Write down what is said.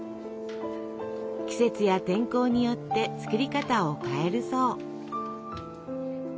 季節や天候によって作り方を変えるそう。